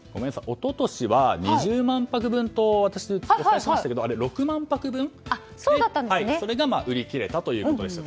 一昨年は２０万泊分と私、お伝えしましたけども６万泊分が売り切れたということでした。